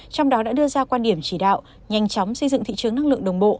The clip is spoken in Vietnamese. trong đó đã đưa ra quan điểm chỉ đạo nhanh chóng xây dựng thị trường năng lượng đồng bộ